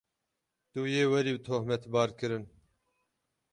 Tu yê werî tohmetbarkirin.